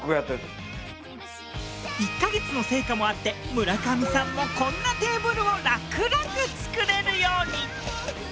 １ヵ月の成果もあって村上さんもこんなテーブルを楽々作れるように。